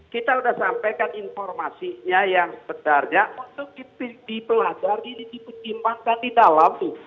kita sudah sampaikan informasinya yang sebenarnya untuk dipelajari dipertimbangkan di dalam tuh